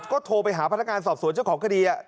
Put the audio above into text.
ก็โทรไปหาพนักงานสอบสวนเจ้าของคดี